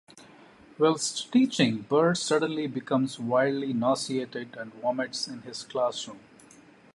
Whilst teaching, Bird suddenly becomes wildly nauseated and vomits in his classroom.